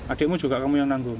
adikmu juga kamu yang nanggung